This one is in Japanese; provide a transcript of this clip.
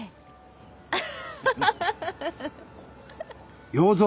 アハハハハ！